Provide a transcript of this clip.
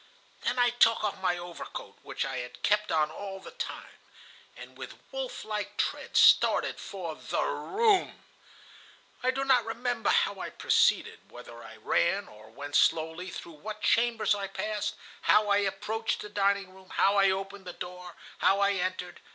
"Then I took off my overcoat, which I had kept on all the time, and with wolf like tread started for the room. I do not remember how I proceeded, whether I ran or went slowly, through what chambers I passed, how I approached the dining room, how I opened the door, how I entered.